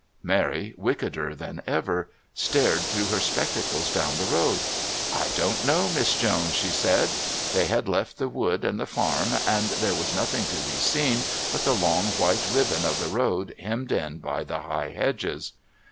Mary, wickeder than ever, stared through her spectacles down the road. "I don't know, Miss Jones," she said. They had left the wood and the farm, and there was nothing to be seen but the long white ribbon of road hemmed in by the high hedges.